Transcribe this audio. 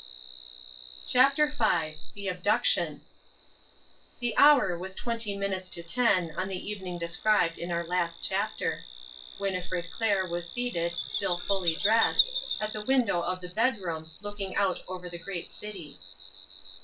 CHAPTER V THE ABDUCTION The hour was twenty minutes to ten on the evening described in our last chapter. Winnifred Clair was seated, still fully dressed, at the window of the bedroom, looking out over the great city.